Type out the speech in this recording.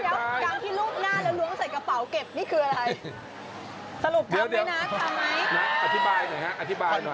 นัททำไมครับอธิบายหน่อยครับอธิบายหน่อยครับอธิบายหน่อยครับนัทอธิบายหน่อยครับอธิบายหน่อยครับ